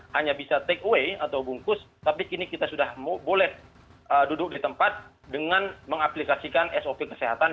hanya bisa take away atau bungkus tapi kini kita sudah boleh duduk di tempat dengan mengaplikasikan sop kesehatan